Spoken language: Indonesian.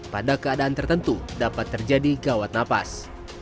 pada keadaan tertentu dapat terjadi gawat nafas